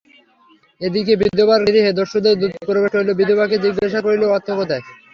এ দিকে বিধবার গৃহে দস্যুদের দূত প্রবেশ করিল, বিধবাকে জিজ্ঞাসা করিল অর্থ কোথায়?